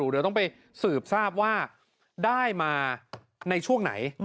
เดี๋ยวต้องไปสืบทราบว่าได้มาในช่วงไหน